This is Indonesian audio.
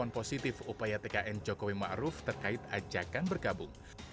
dengan positif upaya tkn jokowi ma'ruf terkait ajakan bergabung